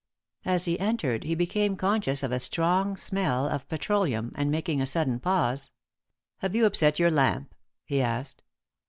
As he entered he became conscious of a strong smell of petroleum, and, making a sudden pause, "Have you upset your lamp?" he asked.